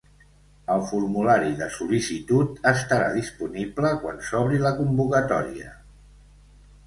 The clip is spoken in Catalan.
El formulari de sol·licitud estarà disponible quan s'obri la convocatòria.